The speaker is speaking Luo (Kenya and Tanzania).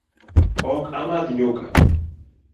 Ok amadh nyuka